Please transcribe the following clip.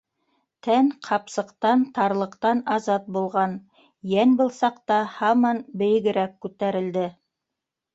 Тән-ҡапсыҡтан, тарлыҡтан азат булған Йән был саҡта һаман бейегерәк күтәрелде.